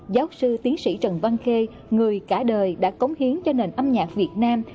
giáo sư tiến sĩ trần văn khê người cả đời đã cống hiến cho nền âm nhạc việt nam